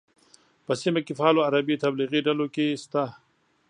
په سیمه کې فعالو عربي تبلیغي ډلو کې شته.